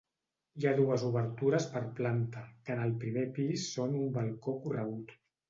Hi ha dues obertures per planta, que en el primer pis són un balcó corregut.